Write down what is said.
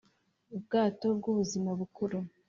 ubwato bw'ubuzima bukuru,